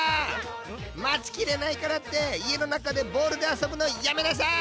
まちきれないからっていえのなかでボールで遊ぶのやめなさい！